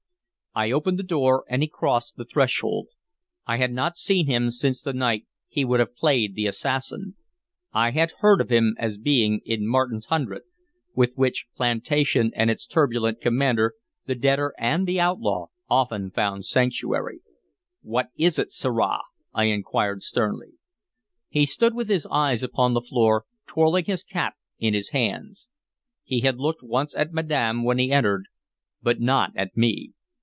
I opened the door, and he crossed the threshold. I had not seen him since the night he would have played the assassin. I had heard of him as being in Martin's Hundred, with which plantation and its turbulent commander the debtor and the outlaw often found sanctuary. "What is it, sirrah?" I inquired sternly. He stood with his eyes upon the floor, twirling his cap in his hands. He had looked once at madam when he entered, but not at me.